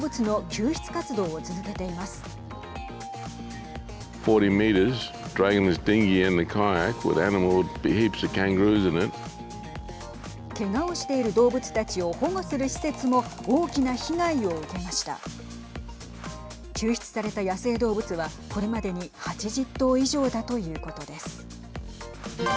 救出された野生動物はこれまでに８０頭以上だということです。